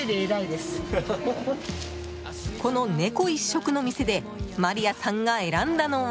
この猫一色の店でマリアさんが選んだのは。